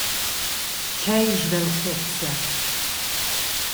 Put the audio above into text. Tgei sveltezia!